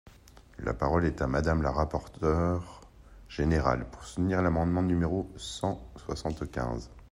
La parole est à Madame la rapporteure générale, pour soutenir l’amendement numéro cent soixante-quinze.